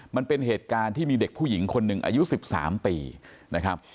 มันเป็นเหตุการณ์ที่มีเด็กผู้หญิงคนหนึ่งอายุ๑๓ปีนะครับ